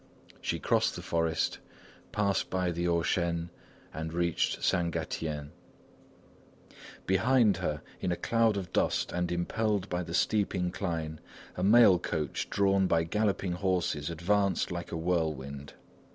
She crossed the forest, passed by the Haut Chêne and reached Saint Gatien. Behind her, in a cloud of dust and impelled by the steep incline, a mail coach drawn by galloping horses advanced like a whirlwind.